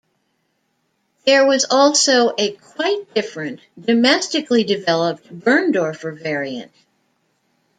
There was also a quite different, domestically developed Berndorfer variant.